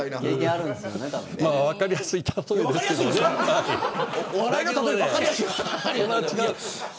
分かりやすい例えですけれど。